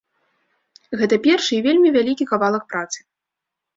Гэта першы і вельмі вялікі кавалак працы.